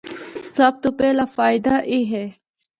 سب تو پہلا فائدہ اے ہے۔